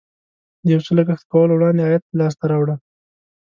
د یو څه لګښت کولو وړاندې عاید لاسته راوړه.